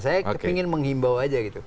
saya ingin menghimbau aja gitu